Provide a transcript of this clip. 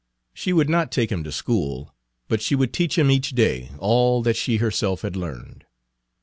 She would not take him to school, but she would teach him each day all that she herself had learned.